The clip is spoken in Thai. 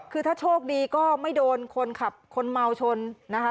คือถ้าโชคดีก็ไม่โดนคนขับคนเมาชนนะคะ